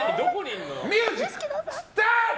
ミュージックスタート！